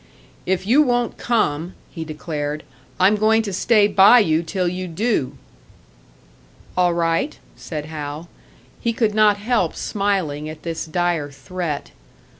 "If you won't come," he declared, "I'm going to stay by you till you do!" "All right," said Hal. He could not help smiling at this dire threat.